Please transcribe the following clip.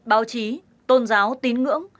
báo chí tôn giáo tín ngưỡng